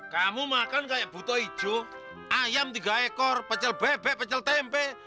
kamu makan kayak buto hijau ayam tiga ekor pecel bebek pecel tempe